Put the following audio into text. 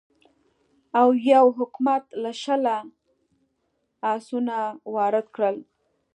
اویو حکومت له شله اسونه وارد کړل.